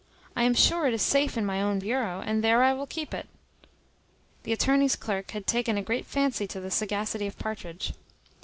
I am sure it is safe in my own bureau, and there I will keep it." The attorney's clerk had taken a great fancy to the sagacity of Partridge.